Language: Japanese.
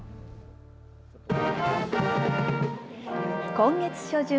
今月初旬。